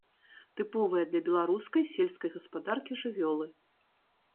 Тыповыя для беларускай сельскай гаспадаркі жывёлы.